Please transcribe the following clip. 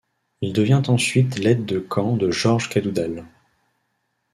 Il devient ensuite l’aide de camp de Georges Cadoudal.